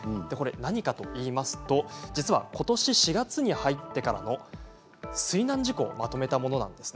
何かというとことし４月に入ってからの水難事故をまとめたものです。